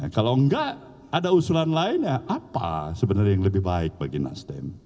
kalau enggak ada usulan lain ya apa sebenarnya yang lebih baik bagi nasdem